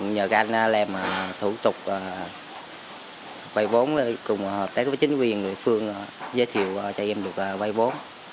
nhờ các anh làm thủ tục vây vốn cùng hợp tác với chính quyền nội phương giới thiệu cho em được vây vốn